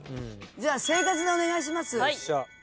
じゃあ生活でお願いします。